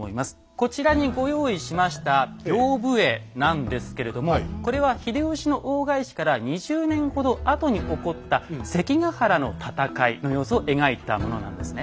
こちらにご用意しました屏風絵なんですけれどもこれは秀吉の大返しから２０年ほど後に起こった関ヶ原の戦いの様子を描いたものなんですね。